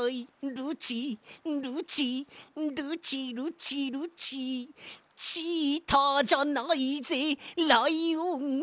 「ルチルチルチルチルチ」「チーターじゃないぜライオンさ」